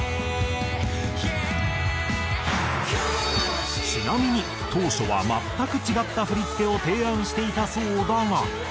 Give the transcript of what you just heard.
「Ｙｅａｈ」ちなみに当初は全く違った振付を提案していたそうだが。